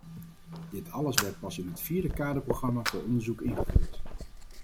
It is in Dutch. Dit alles werd pas in het vierde kaderprogramma voor onderzoek ingevoerd.